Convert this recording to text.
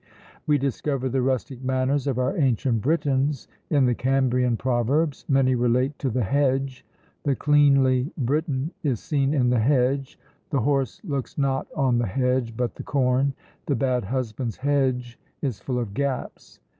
We discover the rustic manners of our ancient Britons in the Cambrian proverbs; many relate to the hedge. "The cleanly Briton is seen in the hedge: the horse looks not on the hedge but the corn: the bad husband's hedge is full of gaps."